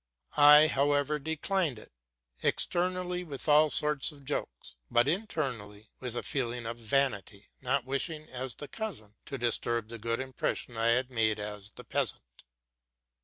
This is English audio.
I, however, declined ite outwardly, with all sorts of jokes, but inwardly with a feeling of vanity, not wishing, as the cousin, to disturb the good impression I had made as the peasant.